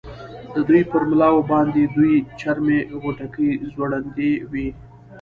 د دوی پر ملاو باندې دوې چرمي غوټکۍ ځوړندې وې.